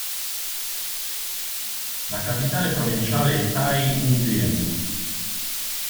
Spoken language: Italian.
La capitale provinciale è Thái Nguyên.